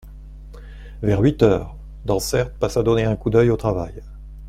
Vers huit heures, Dansaert passa donner un coup d'oeil au travail.